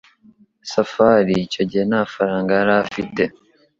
Safari icyo gihe nta faranga yari afite.